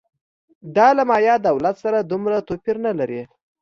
دا له مایا دولت سره دومره توپیر نه لري